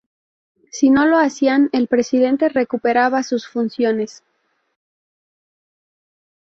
Si no lo hacían, el presidente recuperaba sus funciones.